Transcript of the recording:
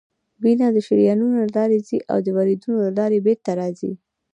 وینه د شریانونو له لارې ځي او د وریدونو له لارې بیرته راځي